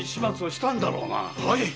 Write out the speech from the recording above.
はい。